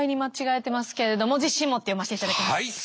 はい。